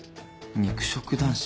肉食男子？